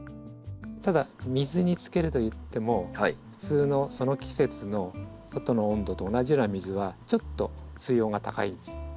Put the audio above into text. ただ水につけるといっても普通のその季節の外の温度と同じような水はちょっと水温が高い。